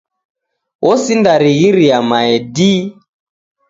Osindarighiria mae dii.